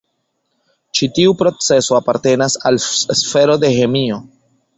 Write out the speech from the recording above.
Ĉi tiu procezo apartenas al sfero de ĥemio.